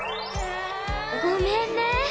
ごめんね。